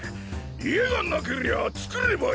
家がなけりゃあ造ればいい。